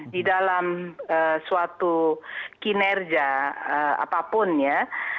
di dalam suatu kinerja apapun ya